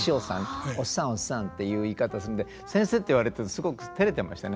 おっさんおっさんっていう言い方するんで「先生」って言われてすごくテレてましたね。